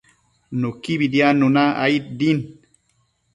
Nuquibi diadnuna aid din